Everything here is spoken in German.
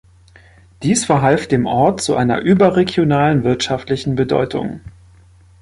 Dies verhalf dem Ort zu einer überregionalen wirtschaftlichen Bedeutung.